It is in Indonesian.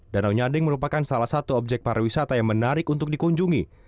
danau nyadeng merupakan salah satu objek para wisata yang menarik untuk dikunjungi